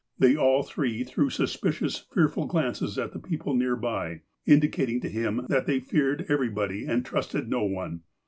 They all three threw suspicious, fearful glances at the people near by, indicating to him that they feared every body, and trusted no one.